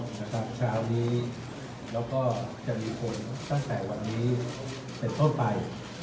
นาการจากเช้านี้และก็จะมีผลตั้งแต่วันนี้เป็นท่วมไป